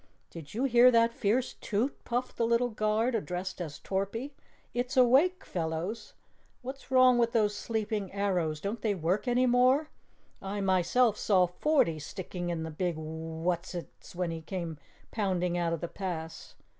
"Did you hear that fierce TOOT?" puffed the little Guard addressed as Torpy. "It's awake, fellows! What's wrong with those sleeping arrows don't they work any more? I myself saw forty sticking in the big Whatisit when he came pounding out of the pass.